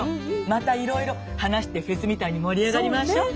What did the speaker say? またいろいろ話してフェスみたいに盛り上がりましょう！